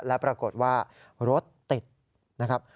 และปรากฏว่ารถติดนะครับ